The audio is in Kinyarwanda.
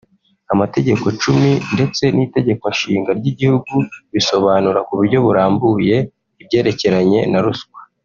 amategeko yacu ndetse n’itegeko nshinga ry’igihugu bisobanura ku buryo burambuye ibyerekeranye na ruswa